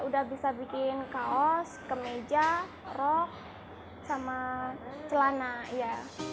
udah bisa bikin kaos kemeja rok sama celana ya